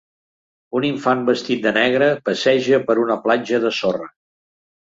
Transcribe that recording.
Un infant vestit de negre passeja per una platja de sorra.